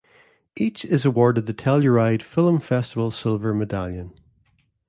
Each is awarded the Telluride Film Festival Silver Medallion.